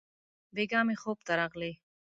بېګاه مي خوب ته راغلې!